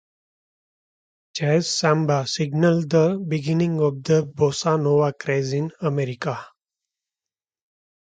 "Jazz Samba" signaled the beginning of the bossa nova craze in America.